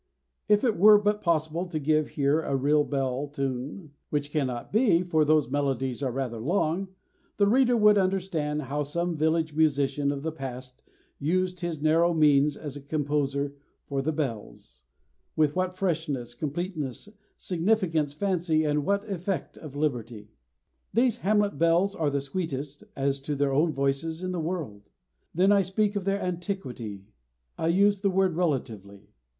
If it were but possible to give here a real bell tune which cannot be, for those melodies are rather long the reader would understand how some village musician of the past used his narrow means as a composer for the bells, with what freshness, completeness, significance, fancy, and what effect of liberty. These hamlet bells are the sweetest, as to their own voices, in the world. Then I speak of their antiquity I use the word relatively.